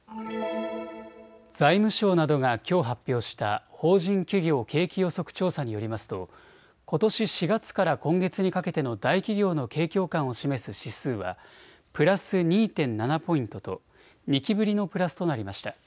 財務省などがきょう発表した法人企業景気予測調査によりますと、ことし４月から今月にかけての大企業の景況感を示す指数はプラス２．７ポイントと２期ぶりのプラスとなりました。